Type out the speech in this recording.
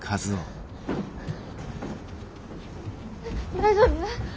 大丈夫？